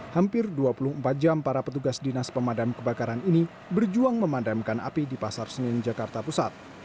hampir dua puluh empat jam para petugas dinas pemadam kebakaran ini berjuang memadamkan api di pasar senin jakarta pusat